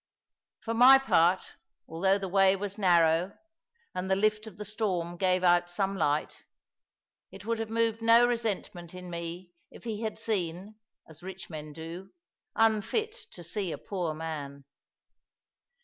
For my part, although the way was narrow, and the lift of the storm gave out some light, it would have moved no resentment in me if he had seen (as rich men do) unfit to see a poor man.